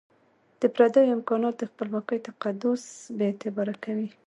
د پردیو امکانات د خپلواکۍ تقدس بي اعتباره کوي.